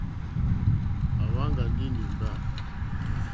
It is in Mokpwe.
À wáŋɡà ndí nǐmbà.